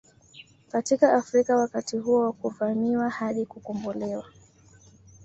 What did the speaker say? Katika Afrika wakati huo wa kuvamiwa hadi kukombolewa